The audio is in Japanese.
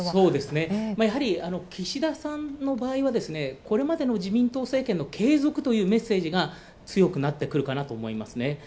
やはり、岸田さんの場合はこれまでの自民党政権の継続というメッセージが強くなってくるかなと思いますね。